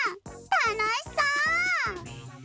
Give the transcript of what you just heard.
たのしそう！